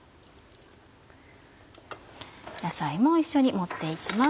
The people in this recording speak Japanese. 野菜も一緒に盛って行きます。